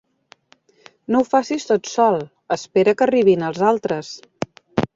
No ho facis tot sol: espera que arribin els altres.